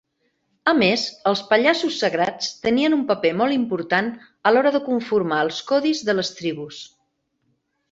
A més, els pallassos sagrats tenien un paper molt important a l'hora de conformar els codis de les tribus.